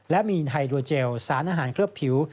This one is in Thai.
และมีไฮโดรเจลสารอาหารเคลือบผิว